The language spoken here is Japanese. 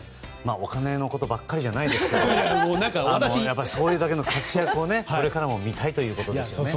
お金のことばかりじゃないですが、それだけの活躍をこれからも見たいですよね。